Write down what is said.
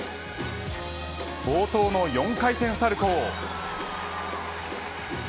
冒頭の４回転サルコウ。